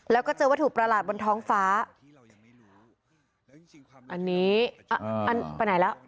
แล้วก็เจอวัตถุประหลาดบนท้องฟ้าอันนี้อันไปไหนแล้ว